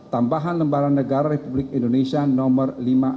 tambahan lembaran negara republik indonesia nomor lima ribu enam ratus tujuh puluh sembilan